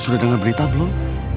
sudah denger berita belum